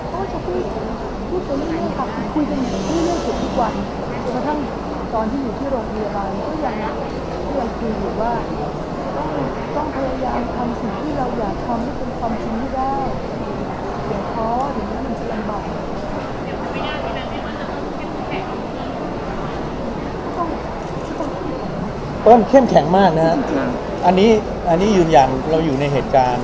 เป้าหมูเชี่ยงแข็งมากนะครับอันนี้อยู่อย่างเราอยู่ในเหตุการณ์